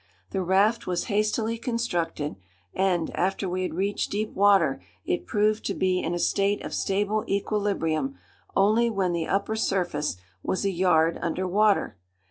The raft was hastily constructed, and, after we had reached deep water, it proved to be in a state of stable equilibrium only when the upper surface was a yard under water.